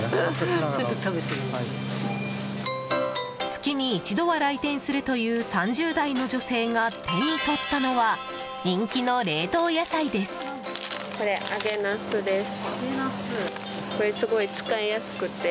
月に一度は来店するという３０代の女性が手に取ったのは人気の冷凍野菜です。